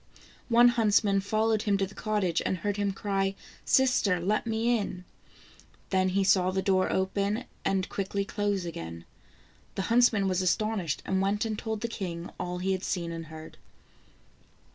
One huntsman followed him to the cottage, and heard him cry :" Sister, let me in." Then he saw the door open, and quickly close again. The huntsman was astonished, and went and told the king all he had seen and heard.